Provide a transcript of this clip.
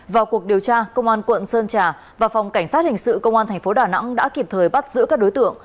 vào cuộc điều tra công an quận sơn trà và phòng cảnh sát hình sự công an thành phố đà nẵng đã kịp thời bắt giữ các đối tượng